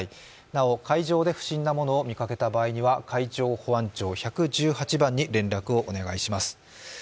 なお海上で不審な物を見かけた場合は海上保安庁１１８番へ連絡をお願いします。